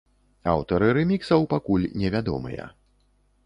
Аўтары рэміксаў пакуль невядомыя.